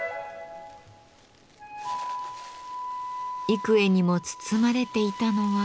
幾重にも包まれていたのは。